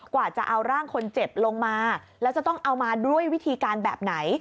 กว่าจะเอาร่างคนเจ็บลงมาแล้วจะต้องเอามาด้วยวิธีการแบบไหน